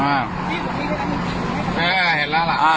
เห็นแล้วล่ะ